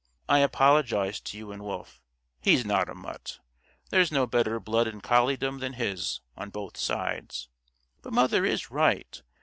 "I apologize to you and Wolf. He's not a 'mutt.' There's no better blood in colliedom than his, on both sides. But Mother is right.